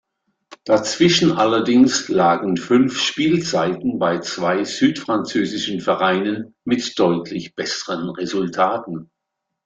Dazwischen allerdings lagen fünf Spielzeiten bei zwei südfranzösischen Vereinen mit deutlich besseren Resultaten.